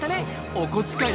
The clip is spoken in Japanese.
お小遣い